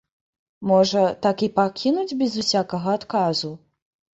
Можа, так і пакінуць без усякага адказу?